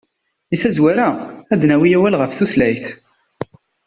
Deg tazwara, ad d-nawi awal ɣef tutlayt.